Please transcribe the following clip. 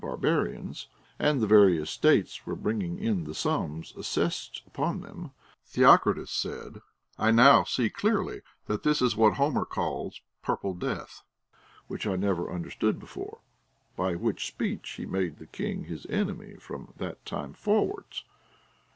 barbarians, and the various states were bringing in the sums assessed upon them, Theocritus said : I now see clearly that this is what Homer calls purple death, which I never understood before. By which speech he made the king his enemy from that time forwards.